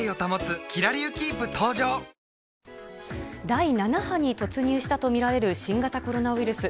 第７波に突入したと見られる新型コロナウイルス。